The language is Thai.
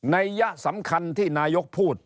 ในยะสำคัญที่นายก